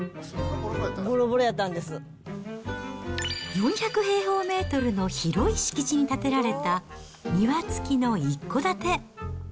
４００平方メートルの広い敷地に建てられた庭付きの一戸建て。